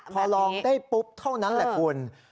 พอลองได้ปุ๊บเท่านั้นแหละคุณ